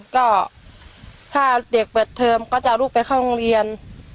ก็ถ้าเด็กเปิดเทอมก็จะเอาลูกไปเข้าโรงเรียน